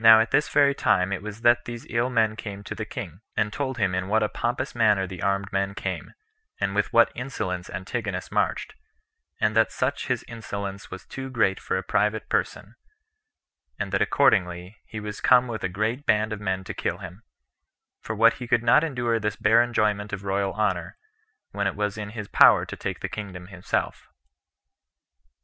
Now at this very time it was that these ill men came to the king, and told him in what a pompous manner the armed men came, and with what insolence Antigonus marched, and that such his insolence was too great for a private person, and that accordingly he was come with a great band of men to kill him; for that he could not endure this bare enjoyment of royal honor, when it was in his power to take the kingdom himself.